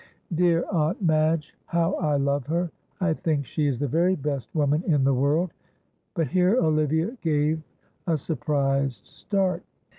"Dear Aunt Madge, how I love her? I think she is the very best woman in the world;" but here Olivia gave a surprised start.